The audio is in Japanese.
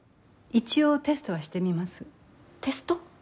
一応テストはしてみます。